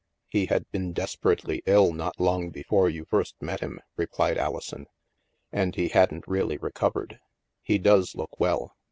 " He had been desperately ill not long before you first met him," replied Alison, " and he hadn't really recovered. He does look well.